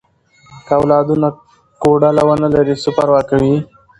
که اولادونه کوډله ونه لري، څه پروا کوي؟